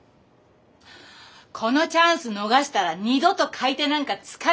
このチャンス逃したら二度と買い手なんかつかないよ！